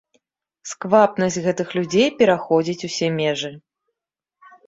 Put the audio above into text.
Сквапнасць гэтых людзей пераходзіць усе межы.